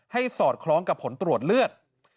สอดคล้องกับผลตรวจเลือด